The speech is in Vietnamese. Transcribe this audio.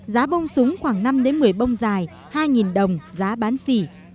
giá bông súng khoảng năm một mươi bông dài hai đồng giá bán xỉ